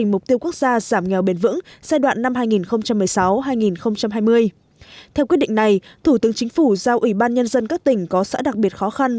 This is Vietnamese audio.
năm hai nghìn một mươi sáu hai nghìn hai mươi theo quyết định này thủ tướng chính phủ giao ủy ban nhân dân các tỉnh có xã đặc biệt khó khăn